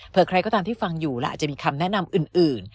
เพื่อใครก็ตามที่ฟังอยู่แล้วอาจจะมีคำแนะนำอื่น